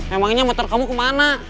emangnya motor kamu kemana